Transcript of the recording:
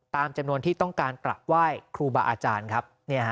ตามจำนวนที่ต้องการกลับไหว้ครูบาอาจารย์ครับ